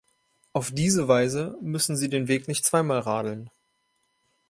Auf diese Weise, müssen sie den Weg nicht zweimal radeln.